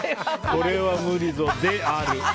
これは無理ぞである。